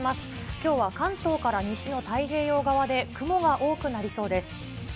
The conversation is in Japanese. きょうは関東から西の太平洋側で雲が多くなりそうです。